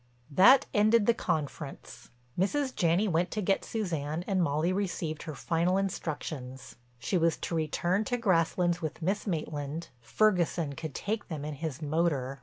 That ended the conference. Mrs. Janney went to get Suzanne and Molly received her final instructions. She was to return to Grasslands with Miss Maitland, Ferguson could take them in his motor.